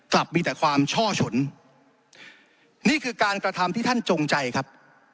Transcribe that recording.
กลับมีแต่ความช่อฉนนี่คือการกระทำที่ท่านจงใจครับ